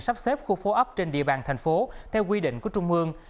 sắp xếp khu phố ấp trên địa bàn tp hcm theo quy định của trung mương